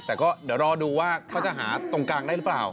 แต่ก็เดี๋ยวรอดูว่าเขาจะหาตรงกลางได้หรือเปล่า